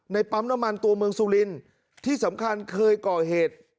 ปั๊มน้ำมันตัวเมืองสุรินทร์ที่สำคัญเคยก่อเหตุ